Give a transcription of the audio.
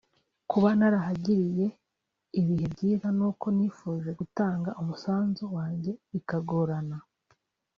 Kuba ntarahagiriye ibihe byiza nuko nifuje gutanga umusanzu wanjye bikagorana